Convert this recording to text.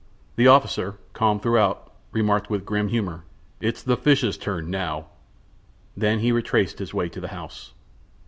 The officer, calm throughout, remarked, with grim humor: "It's the fishes' turn now!" Then he retraced his way to the house.